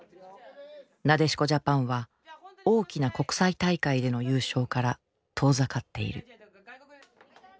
なでしこジャパンは大きな国際大会での優勝から遠ざかっている。